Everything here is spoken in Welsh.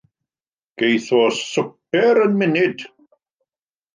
Geith o swper yn munud.